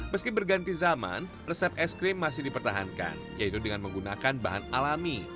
meski berganti zaman resep es krim masih dipertahankan yaitu dengan menggunakan bahan alami